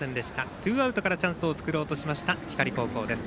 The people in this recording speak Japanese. ツーアウトからチャンスを作ろうとしました、光高校です。